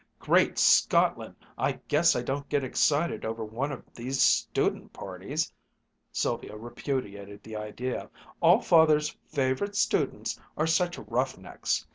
"Great Scotland! I guess I don't get excited over one of these student parties!" Sylvia repudiated the idea. "All Father's 'favorite students' are such rough necks.